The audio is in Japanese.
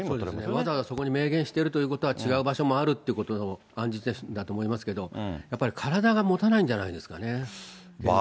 わざわざそこに明言してるというのは、違う場所もあるってことの暗示だと思いますけど、やっぱり体がもたないんじゃないですかね。